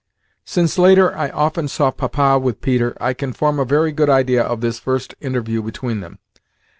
Since, later, I often saw Papa with Peter, I can form a very good idea of this first interview between them.